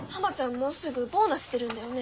もうすぐボーナス出るんだよね？